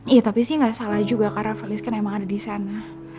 iya tapi sih nggak salah juga karena valid kan emang ada di sana